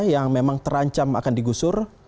yang memang terancam akan digusur